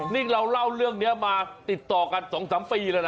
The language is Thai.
นี่เราเล่าเรื่องนี้มาติดต่อกัน๒๓ปีแล้วนะ